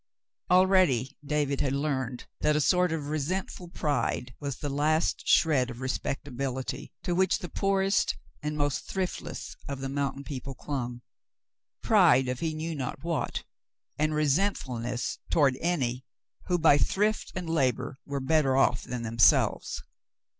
Al ready David had learned that a sort of resentful pride was the last shred of respectability to which the poorest and most thriftless of the mountain people clung — pride of he knew not what, and resentfulness toward any who, by thrift and labor, were better off than themselves.